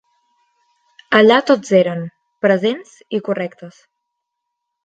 Allà tots eren, presents i correctes.